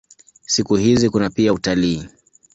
Siku hizi kuna pia utalii.